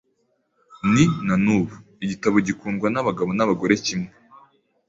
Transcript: Ni, na n'ubu, igitabo gikundwa n'abagabo n'abagore kimwe.